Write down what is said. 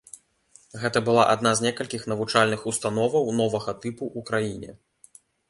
Гэта была адна з некалькіх навучальных установаў новага тыпу ў краіне.